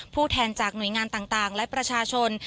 แทนจากหน่วยงานต่างและประชาชน